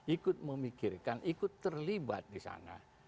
ikut memikirkan ikut terlibat di sana